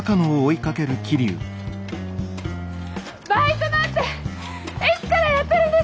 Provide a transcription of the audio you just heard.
バイトなんていつからやってるんですか？